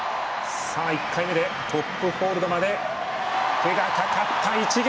１回目でトップホールドまで手が掛かった。